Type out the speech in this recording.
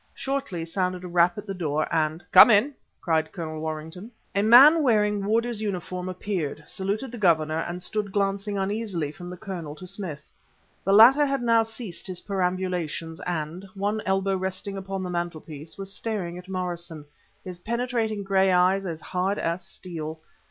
Shortly, sounded a rap at the door, and "Come in," cried Colonel Warrington. A man wearing warder's uniform appeared, saluted the Governor, and stood glancing uneasily from the Colonel to Smith. The latter had now ceased his perambulations, and, one elbow resting upon the mantelpiece, was staring at Morrison his penetrating gray eyes as hard as steel.